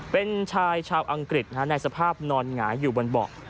เป็นชายชาวอังกฤษในสภาพนอนหงายอยู่บนเบาะ